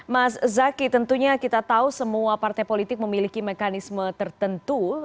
mas zaky tentunya kita tahu semua partai politik memiliki mekanisme tertentu